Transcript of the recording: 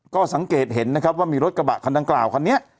ก็สังเกตเห็นนะครับว่ามีรถกระบะคันดังกล่าวคันนี้